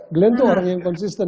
glenn itu orang yang konsisten